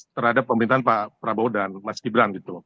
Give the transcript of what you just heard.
terhadap pemerintahan pak prabowo dan mas gibran gitu